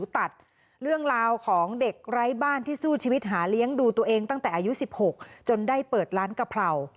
แต่วันเนี้ยได้รับข่าวร้าย